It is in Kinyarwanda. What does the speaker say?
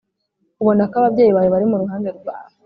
ubona ko ababyeyi bawe bari mu ruhande rwawe